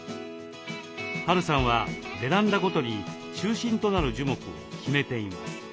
Ｈ・Ａ・Ｒ・Ｕさんはベランダごとに中心となる樹木を決めています。